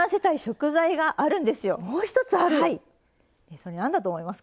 それ何だと思いますか？